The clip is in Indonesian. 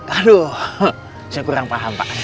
aduh saya kurang paham pak